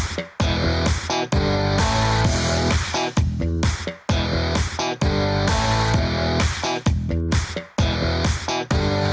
saya merasa lebih sederhana